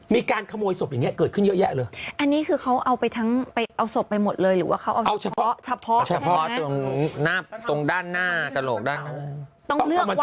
มีการขโมยศพอย่างเนี้ยเกิดขึ้นเยอะแยะเลยอันนี้คือเขาเอาไปทั้งไปเอาศพไปหมดเลยหรือว่าเขาเอาเฉพาะเฉพาะเฉพาะตรงหน้าตรงด้านหน้ากระโหลกด้านต้องเลือกวันอีก